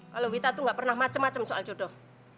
kalau wita tuh gak pernah macem macem soal jodoh